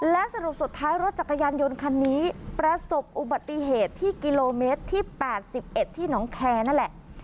และสรุปสุดท้ายรถจักรยานยนต์คันนี้ประสบอุบัติเหตุที่กิโลเมตรที่๘๑ที่น้องแคร์นั่นแหละ